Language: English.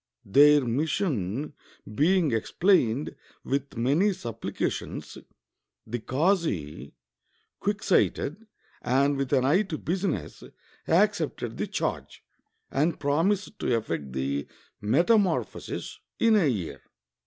Their mission being explained with many suppHcations, the kazi, quick sighted, and with an eye to business, accepted the charge, and promised to effect the meta morphosis in a year.